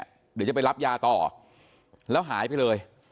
เดี๋ยวจะไปรับยาต่อแล้วหายไปเลย